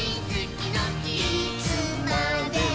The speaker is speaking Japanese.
「いつまでも」